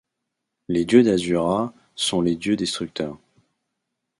Les Dieux d'Asura sont les dieux destructeurs.